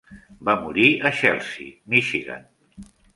Va morir a Chelsea (Michigan).